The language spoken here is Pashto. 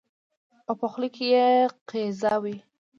او په خوله کې يې قیضه وي